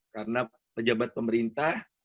karena pejabat pemerintah